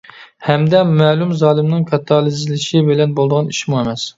ھەمدە مەلۇم زالىمنىڭ كاتالىزلىشى بىلەن بولىدىغان ئىشمۇ ئەمەس.